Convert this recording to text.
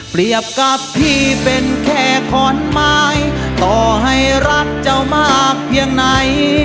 กับพี่เป็นแค่ขอนไม้ต่อให้รักเจ้ามากเพียงไหน